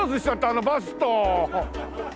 あのバスと！